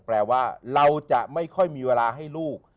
แปลว่าเราจะไม่ค่อยมีเวลาให้ลูก